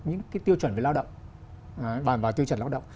những tiêu chuẩn về lao động